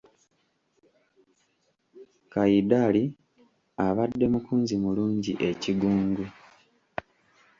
Kayidali abadde mukunzi mulungi e Kigungu.